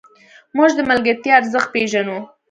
موږ د ملګرتیا ارزښت پېژنو.